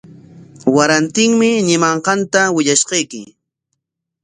Warantinmi ñimanqanta willashqayki.